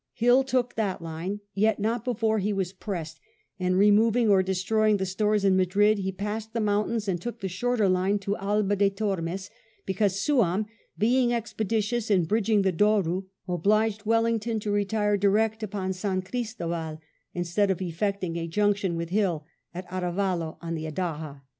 Hill took that line, yet not before he was pressed; and removing or destroying the stores in Madrid, he passed the mountains, and took the shorter line to Alba de Tonnes, because Souham, being ex peditious in bridging the Douro, obliged Wellington to retire direct upon San Ghnstoval, instead of effecting a junction with Hill at Arevalo on the Adaja.